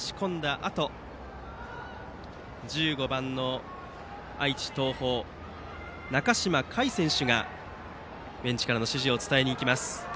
あと１５番の愛知・東邦の中島快選手がベンチからの指示を伝えに行きます。